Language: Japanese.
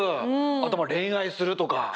あと恋愛するとか。